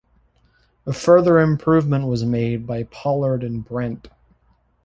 A further improvement was made by Pollard and Brent.